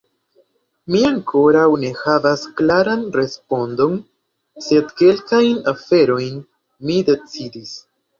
Mi ankoraŭ ne havas klaran respondon, sed kelkajn aferojn mi decidis.